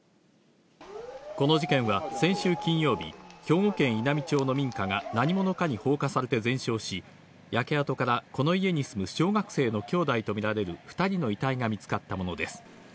この事件は、先週金曜日、兵庫県稲美町の民家が何者かに放火されて全焼し、焼け跡からこの家に住む小学生の兄弟と見られるふたりいたいがみつかったものです。